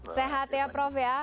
sehat ya prof ya